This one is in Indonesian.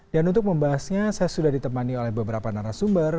dan untuk membahasnya saya sudah ditemani oleh beberapa narasumber